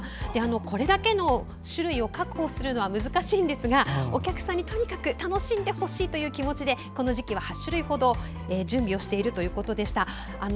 これだけの種類を確保するのは難しいんですが、お客さんにとにかく楽しんでほしいという気持ちでこの時期は８種類ほど準備をしているということでした。